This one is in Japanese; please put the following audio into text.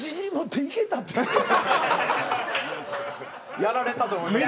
やられたと思いました。